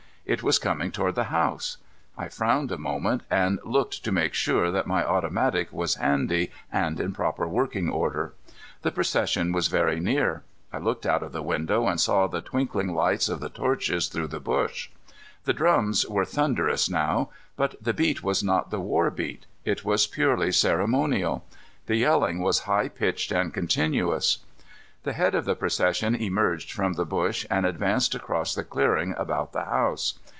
It was coming toward the house. I frowned a moment, and looked to make sure that my automatic was handy and in proper working order. The procession was very near. I looked out of the window and saw the twinkling lights of the torches through the bush. The drums were thunderous now, but the beat was not the war beat. It was purely ceremonial. The yelling was high pitched and continuous. The head of the procession emerged from the bush and advanced across the clearing about the house.